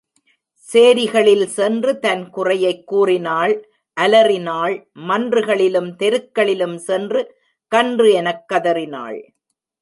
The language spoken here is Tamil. சேரிகளில் சென்று தன் குறையைக் கூறினாள் அலறினாள் மன்றுகளிலும் தெருக் களிலும் சென்று கன்று எனக் கதறினாள்.